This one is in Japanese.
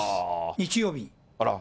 日曜日。